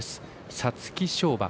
皐月賞馬。